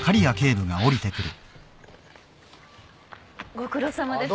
ご苦労さまです。